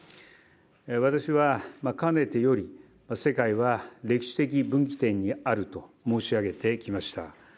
私は、かねてより世界は歴史的分岐点にあると申し上げてきました。